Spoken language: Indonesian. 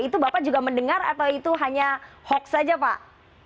itu bapak juga mendengar atau itu hanya hoax saja pak